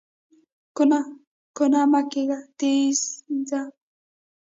کونه کونه مه کېږه، تېز ځه!